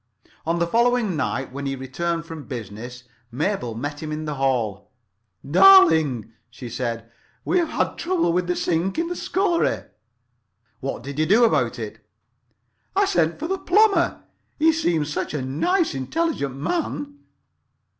On the following night, when he returned from business, Mabel met him in the hall. "Darling," she said, "we've had trouble with the sink in the scullery." "What did you do about it?" "I sent for the plumber. He seemed such a nice, intelligent man."